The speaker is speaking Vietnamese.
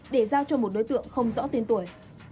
để giao cho một đối tượng không rõ tiên tuổi